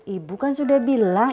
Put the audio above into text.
ibu kan sudah bilang